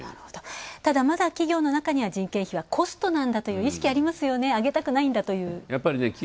ただ、まだ企業の中には人件費はコストなんだという意識がありますよね、上げたくないんだという。